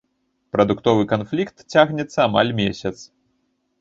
Прадуктовы канфлікт цягнецца амаль месяц.